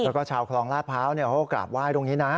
แล้วก็ชาวคลองลาดพร้าวเขาก็กราบไหว้ตรงนี้นะ